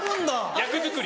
役作り。